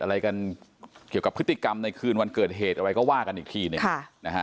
อะไรกันเกี่ยวกับพฤติกรรมในคืนวันเกิดเหตุอะไรก็ว่ากันอีกทีหนึ่ง